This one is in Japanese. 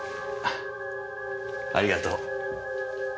ありがとう。